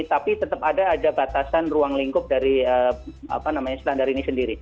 tapi tetap ada batasan ruang lingkup dari standar ini sendiri